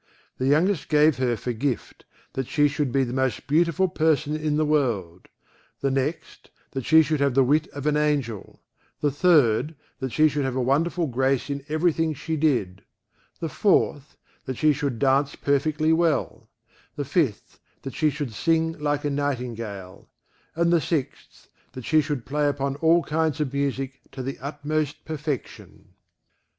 The youngest gave her for gift, that she should be the most beautiful person in the world; the next, that she should have the wit of an angel; the third, that she should have a wonderful grace in every thing she did; the fourth, that she should dance perfectly well; the fifth, that she should sing like a nightingale; and the sixth, that she should play upon all kinds of music to the utmost perfection.